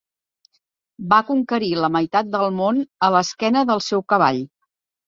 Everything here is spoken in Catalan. Va conquerir la meitat del món a l'esquena del seu cavall.